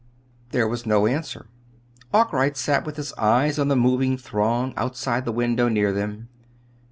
There was no answer. Arkwright sat with his eyes on the moving throng outside the window near them.